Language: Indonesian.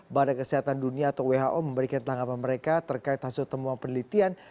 badan kesehatan dunia atau who memberikan tanggapan mereka terkait hasil temuan penelitian